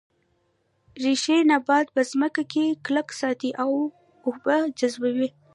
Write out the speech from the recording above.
ریښې نبات په ځمکه کې کلک ساتي او اوبه جذبوي